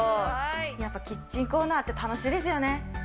やっぱりキッチンコーナーって楽しいですよね。